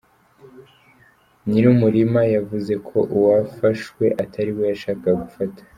Nyir’umurima yavuze ko uwafashwe atariwe yashakaga gufata.